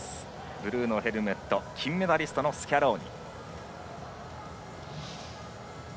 ブルーのヘルメット金メダリスト、スキャローニ。